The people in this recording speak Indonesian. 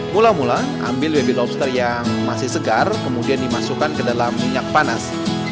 mula mula ambil baby lobster yang masih segar kemudian dimasukkan ke dalam minyak panas